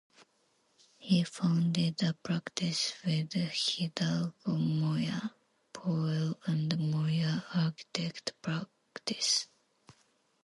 He founded a practice with Hidalgo Moya, Powell and Moya Architect Practice.